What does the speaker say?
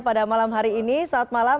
pada malam hari ini selamat malam